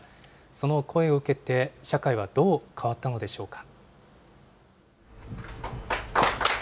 その声を受けて、社会はどう変わったのでしょうか。